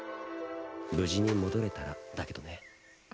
無事に戻れたらだけどね。